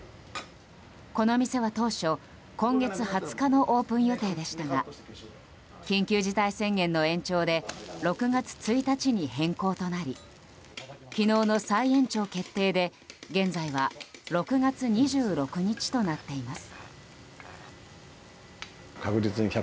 この店は当初、今月２０日のオープン予定でしたが緊急事態宣言の延長で６月１日に変更となり昨日の再延長決定で、現在は６月２６日となっています。